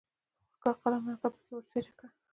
د خودکار قلم نلکه پکې ور تیره کړئ.